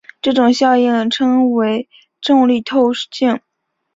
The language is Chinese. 这种效应称为重力透镜。